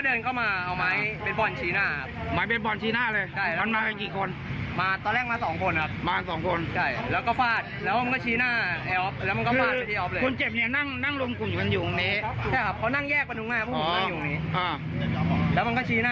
นี่เป็นคันหนึ่งมาดักอยู่ตรงนี้